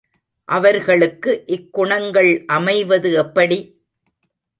அவர்களுக்கு இக்குணங்கள் அமைவது எப்படி?